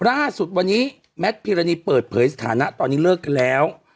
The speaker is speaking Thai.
ล่าสุดวันนี้แมทพิรณีเปิดเผยสถานะตอนนี้เลิกกันแล้ว